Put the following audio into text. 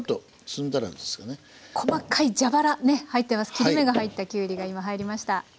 切り目が入ったきゅうりが今入りました。